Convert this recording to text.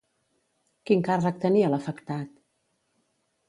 Quin càrrec tenia l'afectat?